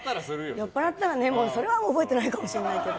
酔っ払ったら覚えてないかもしれないけど。